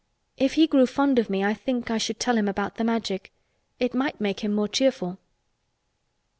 If he grew fond of me I think I should tell him about the Magic. It might make him more cheerful."